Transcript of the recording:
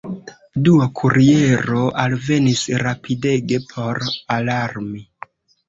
Dua kuriero alvenis rapidege por alarmi.